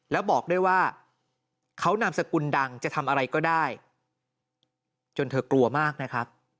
แล้วบอกด้วยว่าเขานามสกุลดังจะทำอะไรก็ได้จนเธอกลัวมากนะครับ